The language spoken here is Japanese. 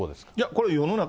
これ、世の中